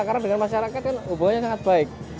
karena dengan masyarakat kan hubungannya sangat baik